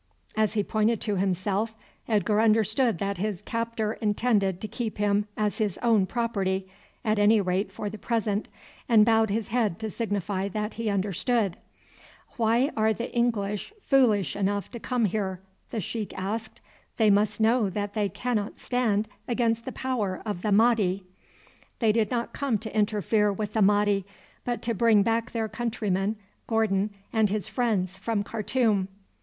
As he pointed to himself, Edgar understood that his captor intended to keep him as his own property, at any rate for the present, and bowed his head to signify that he understood. "Why are the English foolish enough to come here?" the sheik asked. "They must know that they cannot stand against the power of the Mahdi." "They did not come to interfere with the Mahdi, but to bring back their countryman Gordon and his friends from Khartoum."